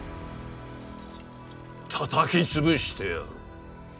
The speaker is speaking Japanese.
たたき潰してやる！